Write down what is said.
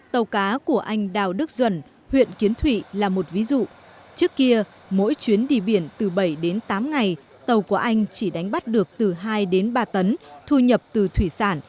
tàu cá của anh đào đức duẩn huyện kiến thụy là một ví dụ trước kia mỗi chuyến đi biển từ bảy đến tám ngày tàu của anh chỉ đánh bắt được từ hai đến ba tấn thu nhập từ thủy sản